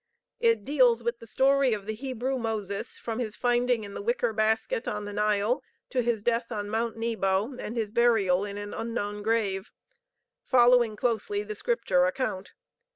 It deals with the story of the Hebrew Moses from his finding in the wicker basket on the Nile to his death on Mount Nebo and his burial in an unknown grave; following closely the Scripture account.